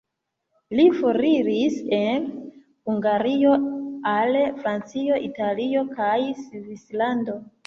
Li foriris el Hungario al Francio, Italio kaj Svislando.